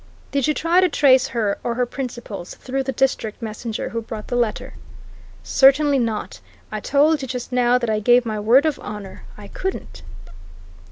"Did you try to trace her, or her principals, through the district messenger who brought the letter?" "Certainly not! I told you, just now, that I gave my word of honour: I couldn't."